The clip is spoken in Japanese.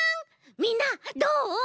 みんなどう？